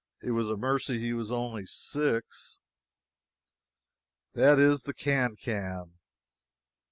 It was a mercy he was only six. That is the can can.